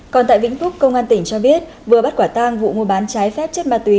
còn tại vĩnh phúc công an tỉnh cho biết vừa bắt quả tang vụ mua bán trái phép chất ma túy